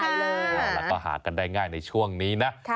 แล้วก็หากันได้ง่ายในช่วงนี้นะ